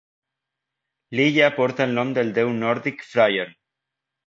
L'illa porta el nom del déu nòrdic Freyr.